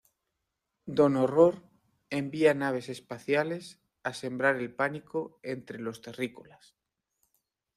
Don Horror envía naves espaciales a sembrar el pánico entre los Terrícolas.